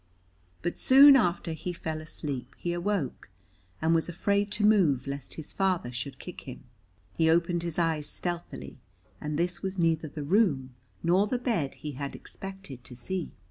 But soon after he fell asleep he awoke, and was afraid to move lest his father should kick him. He opened his eyes stealthily, and this was neither the room nor the bed he had expected to see.